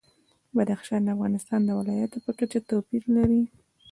بدخشان د افغانستان د ولایاتو په کچه توپیر لري.